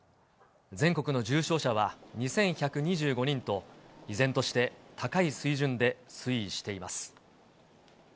全国の重症者は２１２５人と、依然として高い水準で推移しています。